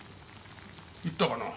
言ったかな？